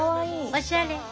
おしゃれ。